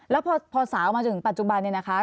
แล้วพอสาวมาจนถึงปัจจุบันเนี่ยนะคะ